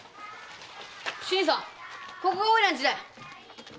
新さんここがおいらの家だ。